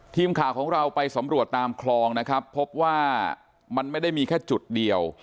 ทีมข่าวของเราไปสำรวจตามคลองนะครับพบว่ามันไม่ได้มีแค่จุดเดียว